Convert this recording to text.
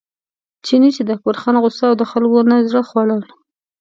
چیني چې د اکبرجان غوسه او د خلکو نه زړه خوړل.